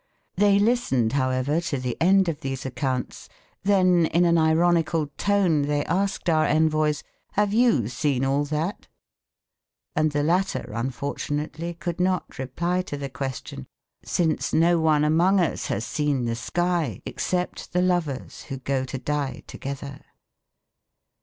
They listened, however, to the end of these accounts, then in an ironical tone they asked our envoys: "Have you seen all that?" And the latter unfortunately could not reply to the question, since no one among us has seen the sky except the lovers who go to die together.